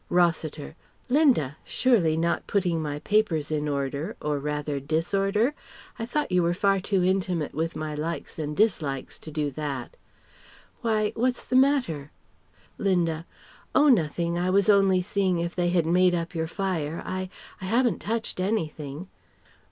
Rossiter: "Linda! Surely not putting my papers in order or rather disorder? I thought you were far too intimate with my likes and dislikes to do that!... Why, what's the matter?" Linda: "Oh nothing. I was only seeing if they had made up your fire. I I haven't touched anything."